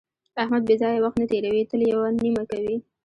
احمد بې ځایه وخت نه تېروي، تل یوه نیمه کوي.